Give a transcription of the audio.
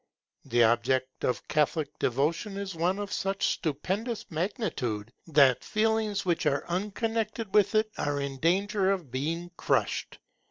The object of Catholic devotion is one of such stupendous magnitude, that feelings which are unconnected with it are in danger of being crushed.